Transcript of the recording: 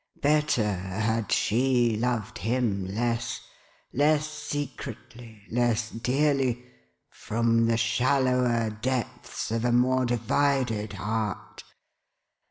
Better had she loved him less — less secretly, less dearly, from the shallower depths of a more divided heart